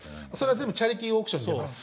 全部チャリティーオークションに。